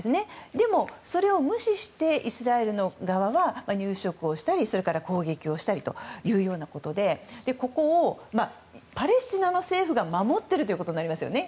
でもそれを無視してイスラエル側は、入植したりそれから攻撃したりというようなことでここをパレスチナの政府が守っているということになりますよね。